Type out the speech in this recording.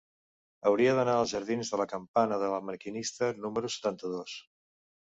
Hauria d'anar als jardins de la Campana de La Maquinista número setanta-dos.